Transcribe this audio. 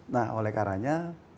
nah oleh karanya